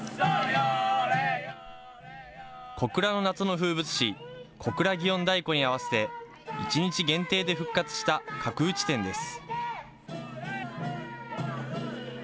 小倉の夏の風物詩、小倉祇園太鼓に合わせて１日限定で復活した角打ち店です。